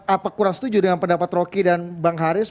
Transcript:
apakah setuju dengan pendapat rocky dan bang haris